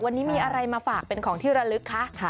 วันนี้มีอะไรมาฝากเป็นของที่ระลึกคะ